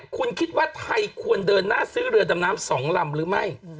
คุณคิดว่าไทยควรเดินหน้าซื้อเรือดำน้ำ๒ลำหรือไม่